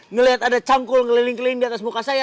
ngelihat ada cangkul ngeliling keliling di atas muka saya